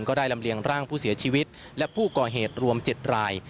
ลำเลียงร่างผู้เสียชีวิตและผู้ก่อเหตุรวม๗ราย